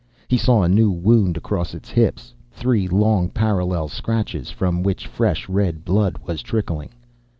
He saw a new wound across its hips. Three long, parallel scratches, from which fresh red blood was trickling.